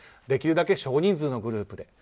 できるだけ少人数のグループで。